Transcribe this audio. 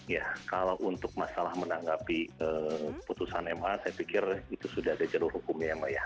ya kalau untuk masalah menanggapi putusan ma saya pikir itu sudah ada jalur hukumnya ya mbak ya